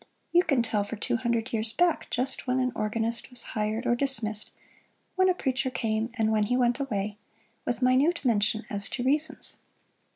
You can tell for two hundred years back just when an organist was hired or dismissed; when a preacher came and when he went away, with minute mention as to reasons.